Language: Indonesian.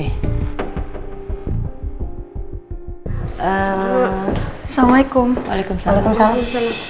assalamualaikum waalaikumsalam waalaikumsalam